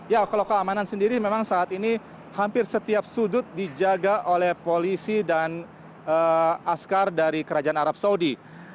ya kalau keamanan sendiri memang saat ini hampir setiap sudut dijaga oleh polisi dan askar dari kerajaan arab saudi